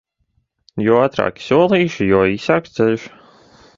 Jo ātrāki solīši, jo īsāks ceļš.